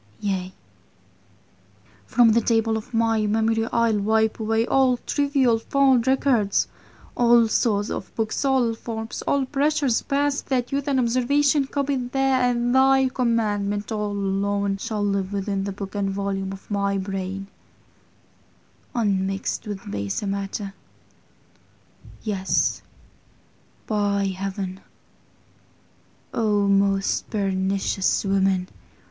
Yea, from the Table of my Memory, Ile wipe away all triuiall fond Records, All sawes of Bookes, all formes, all presures past, That youth and obseruation coppied there; And thy Commandment all alone shall liue Within the Booke and Volume of my Braine, Vnmixt with baser matter; yes yes, by Heauen: Oh most pernicious woman!